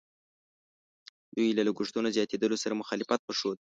دوی له لګښتونو زیاتېدلو سره مخالفت وښود.